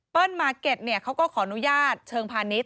มาร์เก็ตเขาก็ขออนุญาตเชิงพาณิชย